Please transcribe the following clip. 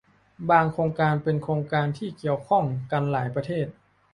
บางโครงการเป็นโครงการที่เกี่ยวข้องกันหลายประเทศ